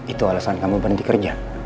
itu alasan kamu berhenti kerja